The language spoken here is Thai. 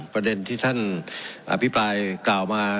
ประเด็นที่ท่านอภิปรายกล่าวมา